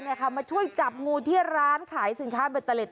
มาช่วยจับงูที่ร้านขายสินค้าเบตเตอร์เล็